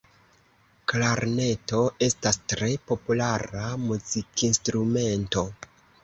Klarneto estas tre populara muzikinstrumento.